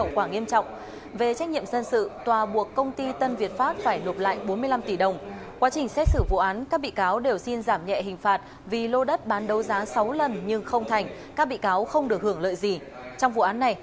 xin chào và hẹn gặp lại